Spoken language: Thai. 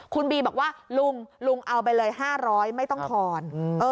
คุณบีบอกว่าลุงลุงเอาไปเลย๕๐๐ไม่ต้องทอน